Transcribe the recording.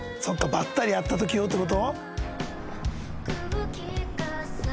ばったり会った時用って事？